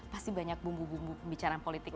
pasti banyak bumbu bumbu pembicaraan politik